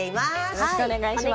よろしくお願いします。